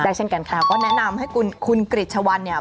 เช่นกันค่ะก็แนะนำให้คุณคุณกริจชะวันเนี่ย